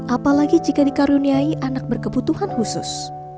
apalagi jika dikaruniai anak berkebutuhan khusus